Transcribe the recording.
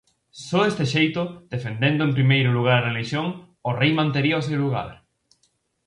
Só deste xeito, defendendo en primeiro lugar a relixión, o rei mantería o seu lugar.